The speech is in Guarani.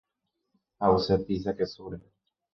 Ha’use pizza kesúre.